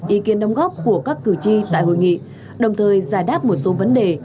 ý kiến đóng góp của các cử tri tại hội nghị đồng thời giải đáp một số vấn đề